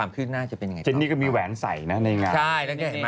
แอบเชียร์อยู่